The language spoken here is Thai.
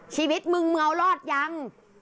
ชีวิตมึงมึงเอารอดยัง